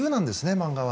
漫画は。